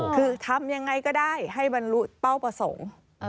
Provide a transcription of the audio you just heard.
คือทำยังไงก็ได้ให้บรรลุเป้าประสงค์